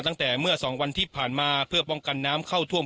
ตั้งแต่เมื่อสองวันที่ผ่านมาเพื่อป้องกันน้ำเข้าท่วม